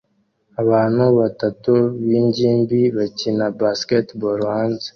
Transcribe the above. Abahungu batatu b'ingimbi bakina basketball hanze